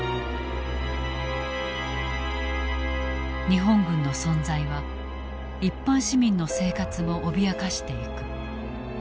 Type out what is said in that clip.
日本軍の存在は一般市民の生活も脅かしていく。